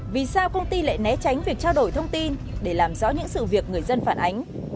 vì sao công ty lại né tránh việc trao đổi thông tin để làm rõ những sự việc người dân phản ánh